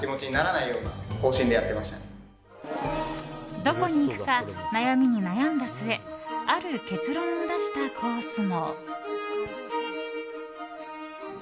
どこに行くか悩みに悩んだ末ある結論を出したコースも。